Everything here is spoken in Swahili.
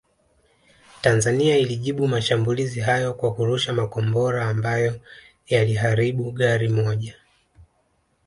Tanzania ilijibu mashambulizi hayo kwa kurusha makombora ambayo yaliharibu gari moja